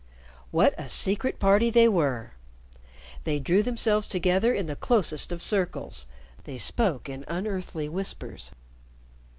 What a Secret Party they were! They drew themselves together in the closest of circles; they spoke in unearthly whispers.